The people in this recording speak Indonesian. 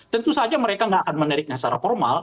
tentu saja mereka gak akan menarik secara formal